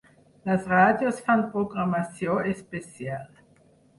Les ràdios fan programació especial.